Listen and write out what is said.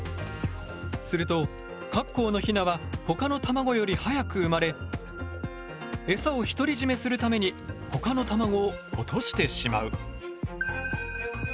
するとカッコウのヒナはほかの卵より早く生まれエサを独り占めするためにほかの卵を落としてしまう。